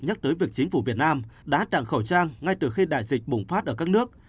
nhắc tới việc chính phủ việt nam đã tặng khẩu trang ngay từ khi đại dịch bùng phát ở các nước